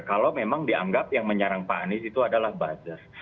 kalau memang dianggap yang menyerang pak anies itu adalah buzzer